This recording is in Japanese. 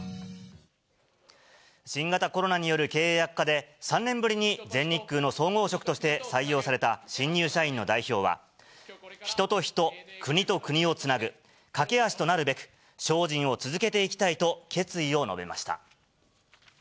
新型コロナによる経営悪化で、３年ぶりに全日空の総合職として採用された新入社員の代表は、人と人、国と国をつなぐ懸け橋となるべく精進を続けていきたいと、決意を述べました。